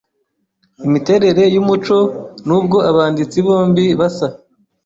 imiterere yumuco Nubwo abanditsi bombi basa